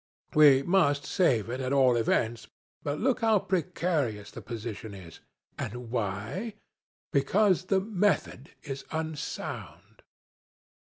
We must save it, at all events but look how precarious the position is and why? Because the method is unsound.'